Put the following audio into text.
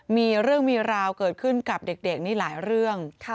มีเรื่องมีราวเกิดขึ้นกับเด็กนี่หลายเรื่อง